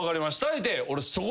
言うて俺。